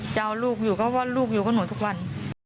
จะเอาลูกอยู่ก็ว่าลูกอยู่กับหนูทุกวัน